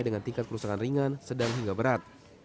dengan tingkat kerusakan ringan sedang hingga berat